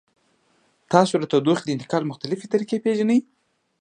تاسو د تودوخې د انتقال مختلفې طریقې پیژنئ؟